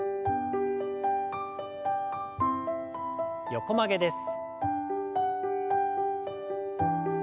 横曲げです。